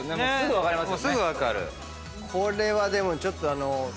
これはでもちょっとあの。